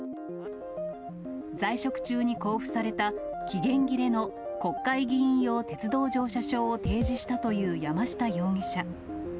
在職中に交付された期限切れの国会議員用鉄道乗車証を提示したという山下容疑者。